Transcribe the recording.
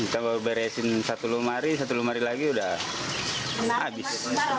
coba beresin satu lumari satu lumari lagi udah habis